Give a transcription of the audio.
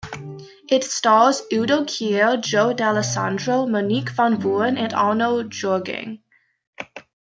It stars Udo Kier, Joe Dallesandro, Monique van Vooren and Arno Juerging.